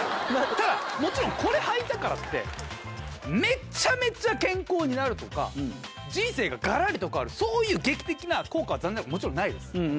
ただもちろんこれ履いたからってめちゃめちゃ健康になるとか人生ががらりと変わるそういう劇的な効果は残念ながらもちろんないです。